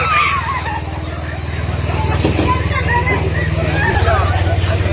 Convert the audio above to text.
สวัสดีครับ